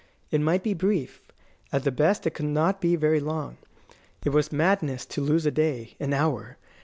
It might be brief; at the best it could not be very long. It was madness to lose a day, an hour.